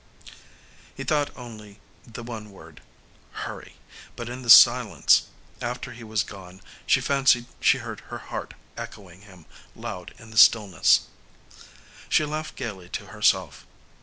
He thought only the one word, "Hurry," but in the silence after he was gone she fancied she heard her heart echoing him, loud in the stillness. She laughed gaily to herself.